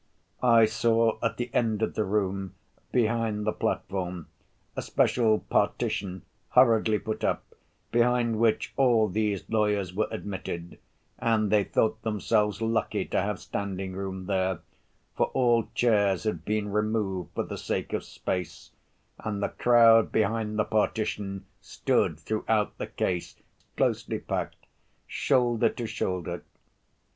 I saw at the end of the room, behind the platform, a special partition hurriedly put up, behind which all these lawyers were admitted, and they thought themselves lucky to have standing room there, for all chairs had been removed for the sake of space, and the crowd behind the partition stood throughout the case closely packed, shoulder to shoulder.